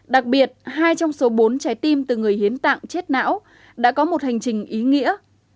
đặc biệt hai trong số bốn trái tim từ người hiến tạng chết não đã có một hành trình ý nghĩa